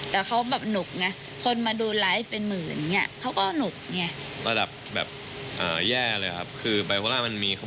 แต่เขาแบบหนุกไงคนมาดูไลฟ์เป็นหมื่นอย่างนี้เขาก็หนุกไง